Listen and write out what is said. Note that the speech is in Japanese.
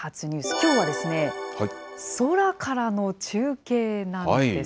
きょうは空からの中継なんです。